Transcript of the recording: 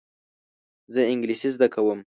زه انګلیسي زده کوم.